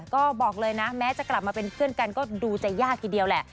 ก็บอกเลยนะแม้จะกลับมาเป็นเพื่อนกันก็ดูจะยากทีเดียวแหละ